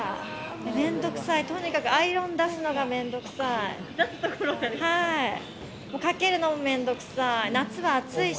面倒くさい、とにかくアイロン出すのが面倒くさい。